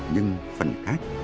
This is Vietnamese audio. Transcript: nhưng phần khác